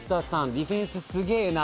ディフェンスすげえな。